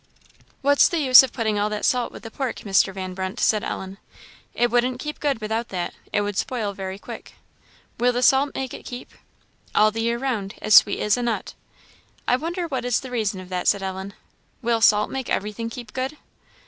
"What's the use of putting all that salt with the pork, Mr. Van Brunt?" said Ellen. "It wouldn't keep good without that; it would spoil very quick." "Will the salt make it keep?" "All the year round as sweet as a nut." "I wonder what is the reason of that," said Ellen. "Will salt make everything keep good?"